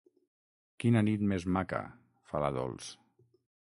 Quina nit més maca, fa la Dols.